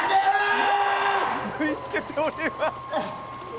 縫い付けております。